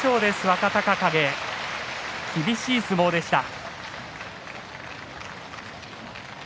若隆景、厳しい相撲でした。